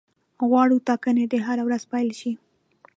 غواړو ټاکنې دي هره ورځ پیل شي.